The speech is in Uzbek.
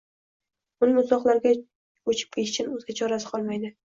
Uning uzoqlarga ko`chib ketishdan o`zga chorasi qolmaydi